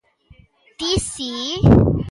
Ti si.